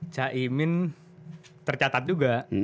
cak imin tercatat juga